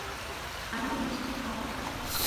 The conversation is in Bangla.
আমাদের নিশ্চিত হওয়া দরকার।